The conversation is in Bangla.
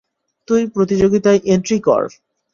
তুই প্রতিযোগিতায় এন্ট্রি কর!